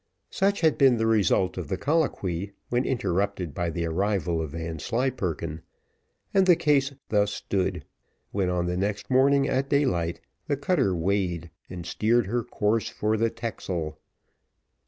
Such had been the result of the colloquy, when interrupted by the arrival of Vanslyperken, and the case thus stood, when, on the next morning, at daylight, the cutter weighed, and steered her course for the Texel.